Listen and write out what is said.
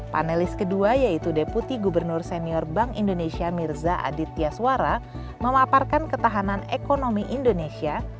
panelis kedua yaitu deputi gubernur senior bank indonesia mirza aditya suara memaparkan ketahanan ekonomi indonesia